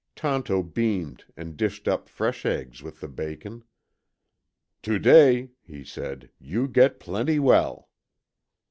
Tonto beamed and dished up fresh eggs with the bacon. "Today," he said, "you get plenty well."